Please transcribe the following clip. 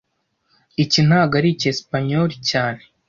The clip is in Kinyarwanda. Iki ntago ari icyesipanyoli cyane